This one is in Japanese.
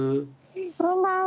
こんばんは。